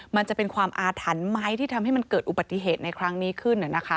มันจะเป็นความอาถรรพ์ไหมที่ทำให้มันเกิดอุบัติเหตุในครั้งนี้ขึ้น